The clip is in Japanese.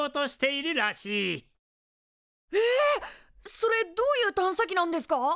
それどういう探査機なんですか？